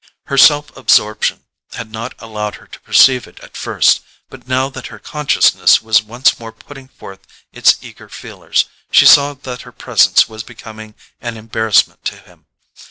Her self absorption had not allowed her to perceive it at first; but now that her consciousness was once more putting forth its eager feelers, she saw that her presence was becoming an embarrassment to him.